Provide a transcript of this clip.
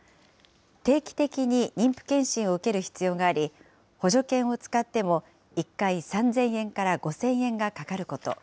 定期的に妊婦健診を受ける必要があり、補助券を使っても１回３０００円から５０００円がかかること。